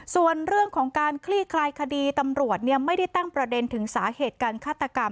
ส่วนเรื่องของการคลี่คลายคดีตำรวจไม่ได้ตั้งประเด็นถึงสาเหตุการฆาตกรรม